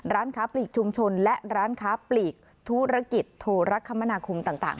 ร้านค้าปลีกชุมชนและร้านค้าปลีกธุรกิจโทรคมนาคมต่าง